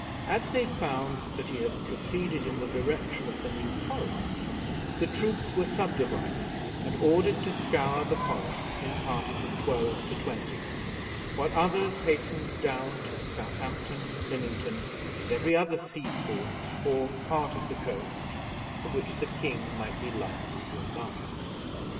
As they found that he had proceeded in the direction of the New Forest, the troops were subdivided and ordered to scour the forest, in parties of twelve to twenty, while others hastened down to Southampton, Lymington, and every other seaport or part of the coast from which the king might be likely to embark.